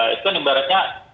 itu kan yang barangnya